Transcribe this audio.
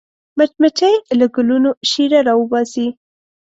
مچمچۍ له ګلونو شیره راوباسي